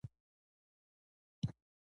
د لویې شورا کې د لوړ پاړکي استازو هڅه کوله